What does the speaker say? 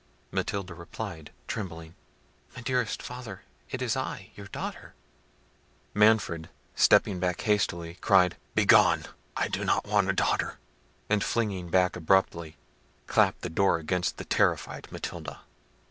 Matilda replied, trembling— "My dearest father, it is I, your daughter." Manfred, stepping back hastily, cried, "Begone! I do not want a daughter;" and flinging back abruptly, clapped the door against the terrified Matilda.